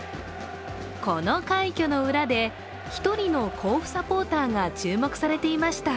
この快挙の裏で、一人の甲府サポーターが注目されていました。